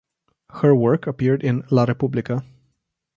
Her work appeared in "la Repubblica".